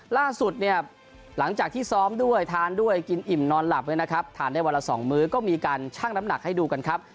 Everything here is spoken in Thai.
ล่าสุดเนี่ยหลังจากที่ซ้อมด้วยทานด้วยกินอิ่มนอนหลับเลยนะครับทานได้วันละ๒มื้อก็มีการชั่งน้ำหนักให้ดูกันครับ